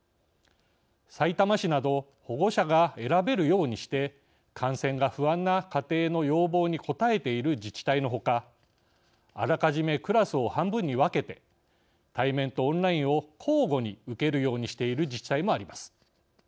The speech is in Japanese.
さいたま市など保護者が選べるようにして感染が不安な家庭の要望に応えている自治体のほかあらかじめクラスを半分に分けて対面とオンラインを交互に受けるようにしている自治体もあります。